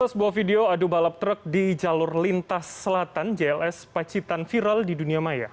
sebuah video adu balap truk di jalur lintas selatan jls pacitan viral di dunia maya